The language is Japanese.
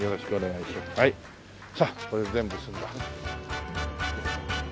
さあこれで全部済んだ。